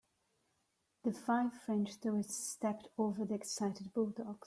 The five French tourists stepped over the excited bulldogs.